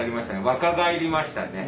若返りましたね。